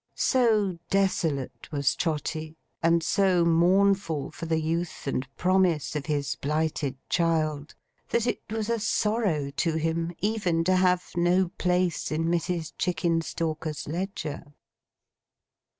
So desolate was Trotty, and so mournful for the youth and promise of his blighted child, that it was a sorrow to him, even to have no place in Mrs. Chickenstalker's ledger.